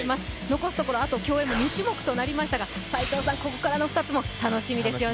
残すところ競泳も２種目となりましたが斎藤さん、ここからの２つも楽しみですよね。